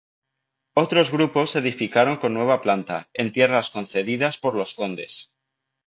Otros grupos edificaron con nueva planta, en tierras concedidas por los condes.